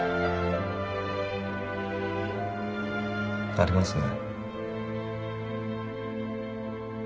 ありますね